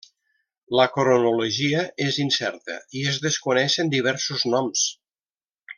La cronologia és incerta i es desconeixen diversos noms.